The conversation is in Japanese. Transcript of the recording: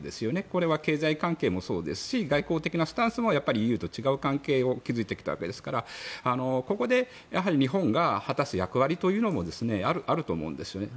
これは経済関係もそうですし外交的なスタンスもやっぱりＥＵと違う関係を築いてきたわけですからここで日本が果たす役割というのもあると思うんですよね。